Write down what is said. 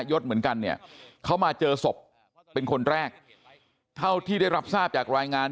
ยศเหมือนกันเนี่ยเขามาเจอศพเป็นคนแรกเท่าที่ได้รับทราบจากรายงาน